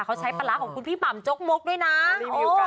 เขาใช้ปลาร้าของคุณพี่หม่ำจกมกด้วยนะ